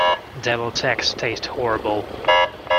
Devilled eggs taste horrible.